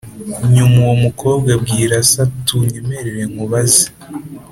Nyuma uwo mukobwa abwira se ati Unyemerere nkubaze